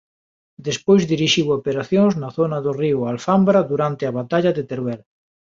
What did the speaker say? Despois dirixiu operacións na zona do río Alfambra durante a Batalla de Teruel.